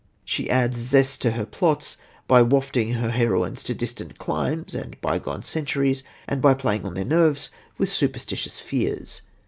She adds zest to her plots by wafting her heroines to distant climes and bygone centuries, and by playing on their nerves with superstitious fears.